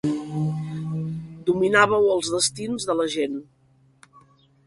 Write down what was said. Dominàveu els destins de la gent.